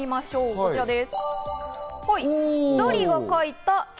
こちらです。